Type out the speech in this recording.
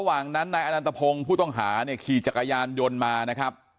ระหว่างนั้นนายอนันตพงศ์ผู้ต้องหาเนี่ยขี่จักรยานยนต์มานะครับ